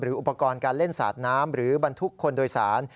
อุปกรณ์การเล่นสาดน้ำหรือบรรทุกคนโดยสาร